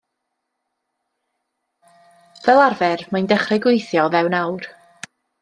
Fel arfer mae'n dechrau gweithio o fewn awr.